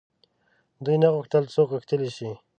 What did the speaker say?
دوی نه غوښتل څوک غښتلي شي.